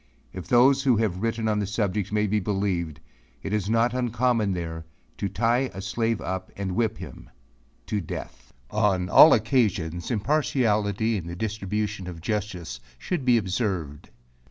If those who have written on the subject, may be believed, it is not uncommon there, to tie a slave up and whip him to death. On all occasions impartiality in the distribution of justice should be observed.